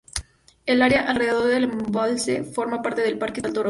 El área alrededor del embalse forma parte del parque estatal Toronto.